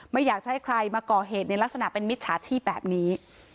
ไม่อยากจะให้ใครมาก่อเหตุในลักษณะเป็นมิจฉาชีพแบบนี้